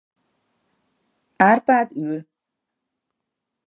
Árpád ül.